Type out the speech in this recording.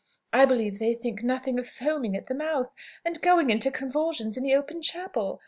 I believe they think nothing of foaming at the mouth, and going into convulsions, in the open chapel.